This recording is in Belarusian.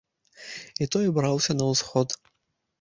І той браўся на ўсход.